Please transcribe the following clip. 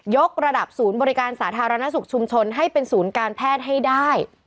กระดับศูนย์บริการสาธารณสุขชุมชนให้เป็นศูนย์การแพทย์ให้ได้